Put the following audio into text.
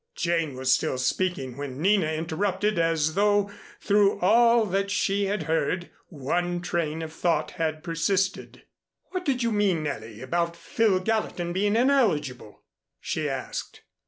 Jane was still speaking when Nina interrupted, as though through all that she had heard, one train of thought had persisted. "What did you mean, Nellie, about Phil Gallatin being ineligible?" she asked.